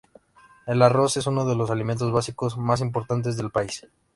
El arroz es uno de los alimentos básicos más importantes del país.